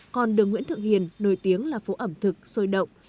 còn đường nguyễn thượng hiền nổi tiếng là phố ẩm thực sôi động